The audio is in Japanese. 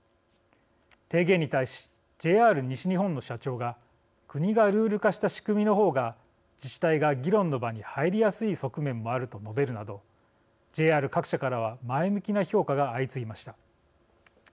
提言に対し、ＪＲ西日本の社長が「国がルール化した仕組みの方が自治体が議論の場に入りやすい側面もある」と述べるなど、ＪＲ各社からは前向きな評価が相次ぎました。